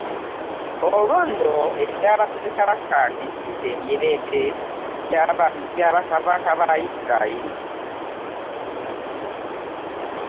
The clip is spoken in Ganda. Olwo nno ekya bassekabaka kijudde emirembe gya ba kabaka ba Yisirayiri .